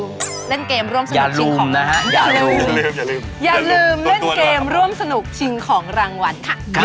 มูด๊ายก่าย